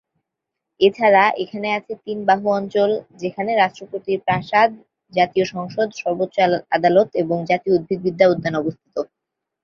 এছাড়া এখানে আছে তিন বাহু অঞ্চল, যেখানে রাষ্ট্রপতির প্রাসাদ, জাতীয় সংসদ, সর্বোচ্চ আদালত এবং জাতীয় উদ্ভিদবিদ্যা উদ্যান অবস্থিত।